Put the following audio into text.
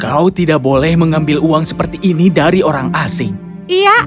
kau tidak boleh mengambil uang seperti ini dari orang tua kau tidak boleh mengambil uang seperti ini dari orang tua